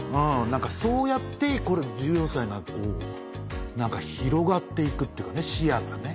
何かそうやって１４歳がこう広がって行くっていうか視野がね。